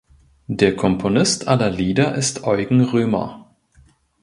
Der Komponist aller Lieder ist Eugen Römer.